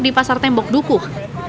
di pasar tembok dukuh